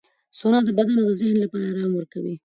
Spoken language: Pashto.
سونا د بدن او ذهن لپاره آرام ورکوي.